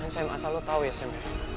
sam asal lo tau ya sam